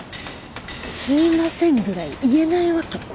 「すいません」ぐらい言えないわけ？